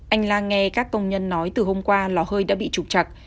anh lan nghe các công nhân nói từ hôm qua lò hơi đã bị trục chặt